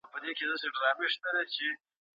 دولت څنګه نور سازمانونه تنظیموي؟